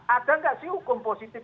ada nggak sih hukum positif